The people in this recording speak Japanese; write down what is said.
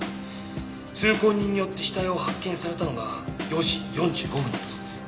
通行人によって死体を発見されたのが４時４５分だそうです。